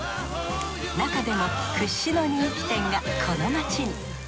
なかでも屈指の人気店がこの街に。